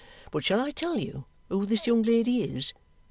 But shall I tell you who this young lady is?